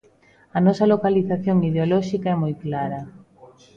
A nosa localización ideolóxica é moi clara.